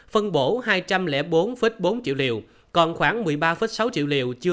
phân bổ hai trăm linh bốn bốn triệu liều